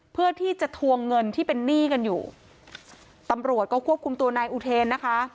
เพื่อที่จะทวงเงินที่เป็นหนี้กันอยู่ตำรวจก็ควบคุมตัวนายอุเทนนะคะ